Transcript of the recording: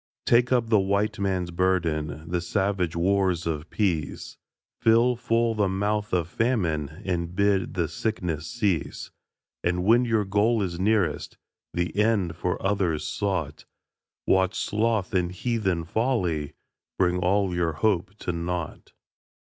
Take up the White Man's burden The savage wars of peace Fill full the mouth of Famine And bid the sickness cease; And when your goal is nearest The end for others sought, Watch Sloth and heathen Folly Bring all your hope to naught.